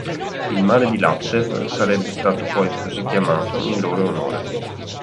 Il mare di Laptev sarebbe stato poi così chiamato in loro onore.